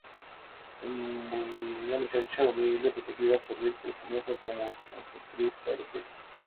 Una muchacha humilde, protegida por ricos, triunfa como concertista de piano.